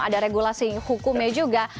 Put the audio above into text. ada regulasi hukumnya juga